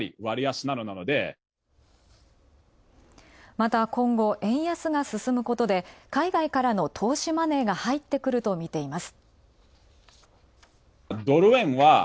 また今後、円安がすすむことで海外からの投資マネーが入ってくるとみています。